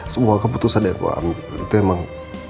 semua keputusan yang aku ambil itu emang